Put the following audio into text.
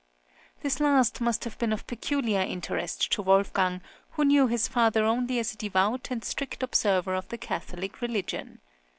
'" This last must have been of peculiar interest to Wolfgang, who knew his father only as a devout and strict observer of the Catholic religion.